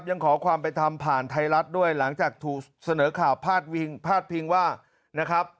ยังขอความไปทำผ่านไทยรัฐด้วยหลังจากถูกเสนอข่าวพาดพิงว่า